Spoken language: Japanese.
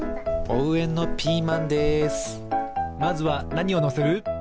まずはなにをのせる？